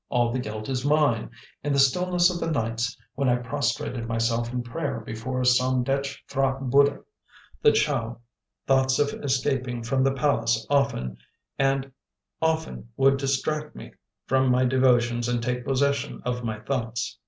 All the guilt is mine. In the stillness of the nights, when I prostrated myself in prayer before Somdetch P'hra Buddh, the Chow, thoughts of escaping from the palace often and often would distract me from my devotions and take possession of my thoughts.